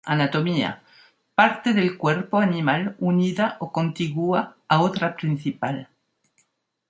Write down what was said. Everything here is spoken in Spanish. Anatomía: Parte del cuerpo animal unida o contigua a otra principal.